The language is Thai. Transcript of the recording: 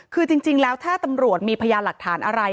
คือจริงแล้วถ้าตำรวจมีพยานหลักฐานอะไร